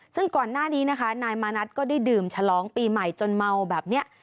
ซึ่งก่อนหน้านี้นะคะนายมานัดก็ได้ดื่มฉลองปีใหม่จนเมาแบบนี้